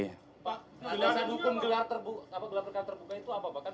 pak gelar perkara terbuka itu apa